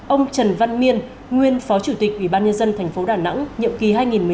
ông trần văn miên nguyên phó chủ tịch ủy ban nhân dân tp đà nẵng nhiệm kỳ hai nghìn một mươi sáu hai nghìn hai mươi một